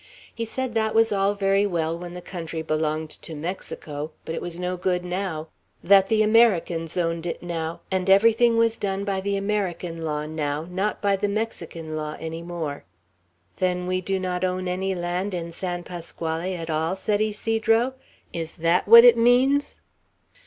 He said that was all very well when the country belonged to Mexico, but it was no good now; that the Americans owned it now; and everything was done by the American law now, not by the Mexican law any more. "Then we do not own any land in San Pasquale at all," said Ysidro. "Is that what it means?"